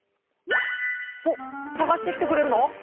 おっさがしてきてくれるの？